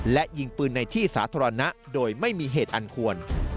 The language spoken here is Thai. และยิงปืนในที่สาธารณะโดยไม่มีเหตุอันควร